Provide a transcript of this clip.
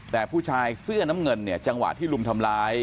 แต่ผู้ชายเสื้อน้ำเงินเนี่ยจังหวะที่ลุมทำร้าย